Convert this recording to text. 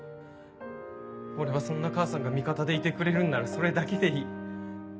俺はそんな母さんが味方でいてくれるんならそれだけでいい。